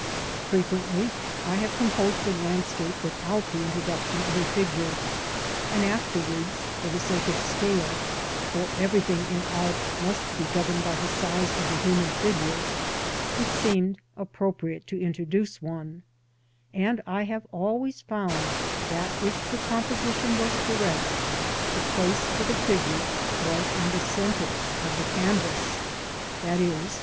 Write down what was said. Frequently I have composed a landscape without the introduction of a figure, and afterwards, for the sake of scale — for everything i n art must be gfoverned by the size of the human fieure — it seemed appropriate to introduce one, and I have always found that if the composition was correct, the place for the figure was in the centre of the canvas — i.e.